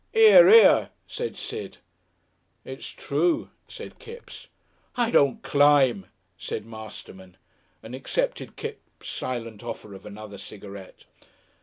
"'Ear, 'ear," said Sid. "It's true," said Kipps. "I don't climb," said Masterman, and accepted Kipps' silent offer of another cigarette.